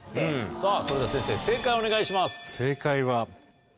さぁそれでは先生正解をお願いします。